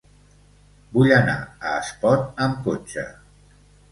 Vull anar a Espot amb cotxe.